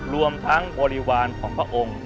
รวมทั้งบริวารของพระองค์